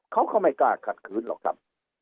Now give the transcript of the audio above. เขาก็ไม่กล้าขัดขืนหรอกครับ